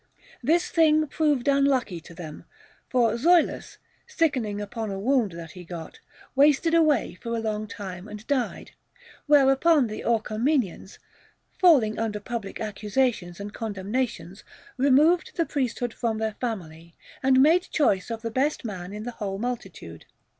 This thing proved unlucky to them ; for Zoilus, sickening upon a wound that he got, wasted away for a long time and died ; whereupon the Orcho menians, falling under public accusations and condemna tions, removed the priesthood from their family, and made choice of the best man in the whole multitude.